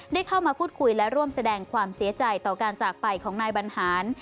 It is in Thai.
ได้เข้ามาพูดคุยและร่วมแสดงความเสียใจต่อการจากไปของนายบรรหาร